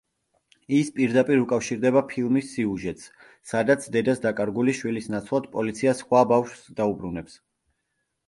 ის პირდაპირ უკავშირდება ფილმის სიუჟეტს, სადაც დედას დაკარგული შვილის ნაცვლად პოლიცია სხვა ბავშვს დაუბრუნებს.